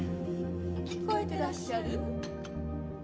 聞こえてらっしゃる？